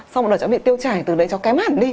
xong một đợt chó bị tiêu chảy từ đấy chó kém hẳn đi